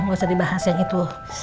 nggak usah dibahas yang itu